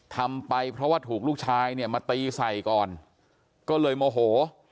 ทำไปเพราะว่าถูกลูกชายเนี่ยมาตีใส่ก่อนก็เลยโมโห